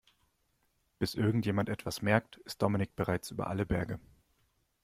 Bis irgendjemand etwas merkt, ist Dominik bereits über alle Berge.